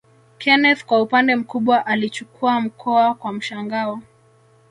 Kenneth kwa upande mkubwa alichukua mkoa kwa mshangao